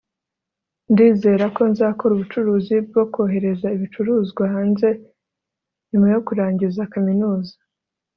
ndizera ko nzakora ubucuruzi bwo kohereza ibicuruzwa hanze nyuma yo kurangiza kaminuza